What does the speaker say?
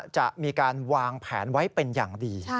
จะมีการวางแผนไว้เป็นอย่างดี